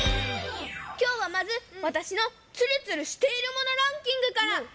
きょうはまずわたしのつるつるしているものランキングから！